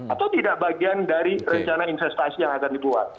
atau tidak bagian dari rencana investasi yang akan dibuat